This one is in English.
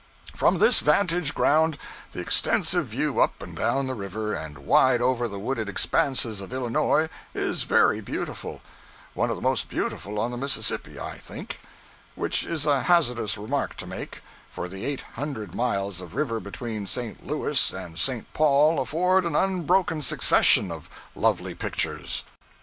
From this vantage ground the extensive view up and down the river, and wide over the wooded expanses of Illinois, is very beautiful one of the most beautiful on the Mississippi, I think; which is a hazardous remark to make, for the eight hundred miles of river between St. Louis and St. Paul afford an unbroken succession of lovely pictures.